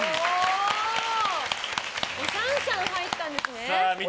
おシャンシャン入ったんですね。